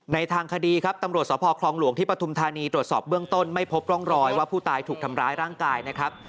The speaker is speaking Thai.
ทางคดีครับตำรวจสภคลองหลวงที่ปฐุมธานีตรวจสอบเบื้องต้นไม่พบร่องรอยว่าผู้ตายถูกทำร้ายร่างกายนะครับ